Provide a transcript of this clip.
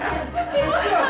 masih ada yang seribu empat ratus